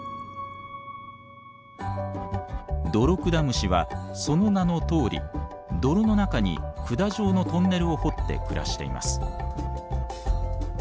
ドロクダムシはその名のとおり泥の中に管状のトンネルを掘って暮らしています。